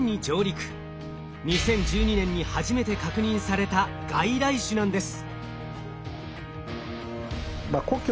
２０１２年に初めて確認された外来種なんです。